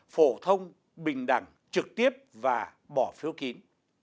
phổ thông bình đẳng trực tiếp và bỏ phiếu kín